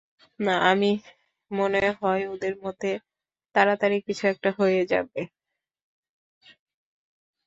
আমি মনে হয় ওদের মধ্যে, তাড়াতাড়ি কিছু একটা হয়ে যাবে।